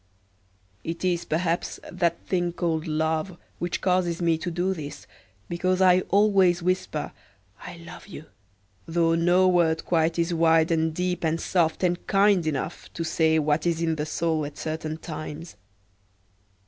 It is perhaps that thing called Love which causes me to do this, because I always whisper, "I love you;" though no word quite is wide and deep and soft and kind enough to say what is in the soul at certain times.